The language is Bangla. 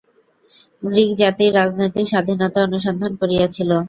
গ্রীকজাতি রাজনৈতিক স্বাধীনতা অনুসন্ধান করিয়াছিল।